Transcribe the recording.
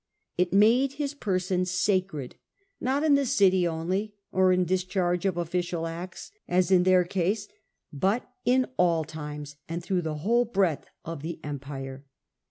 It made his person sacred, not in the city only or in dis charge of official acts, as in their case, but at all times and through the whole breadth of the empire.